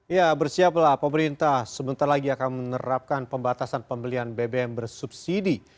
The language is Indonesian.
ya bersiaplah pemerintah sebentar lagi akan menerapkan pembatasan pembelian bbm bersubsidi